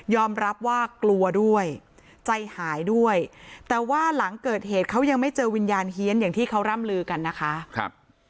รับว่ากลัวด้วยใจหายด้วยแต่ว่าหลังเกิดเหตุเขายังไม่เจอวิญญาณเฮียนอย่างที่เขาร่ำลือกันนะคะ